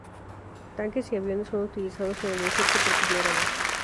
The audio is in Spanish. Tanques y aviones son utilizados en el desierto por primera vez.